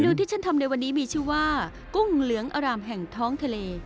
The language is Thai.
ที่ฉันทำในวันนี้มีชื่อว่ากุ้งเหลืองอารามแห่งท้องทะเล